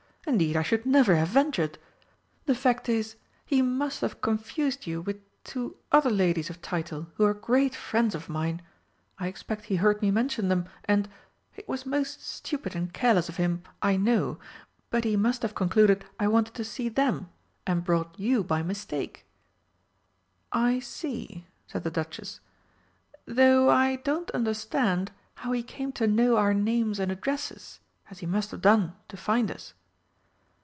Indeed I should never have ventured. The fact is, he must have confused you with two other ladies of title who are great friends of mine. I expect he heard me mention them, and it was most stupid and careless of him, I know but he must have concluded I wanted to see them, and brought you by mistake." "I see," said the Duchess; "though I don't understand how he came to know our names and addresses, as he must have done to find us."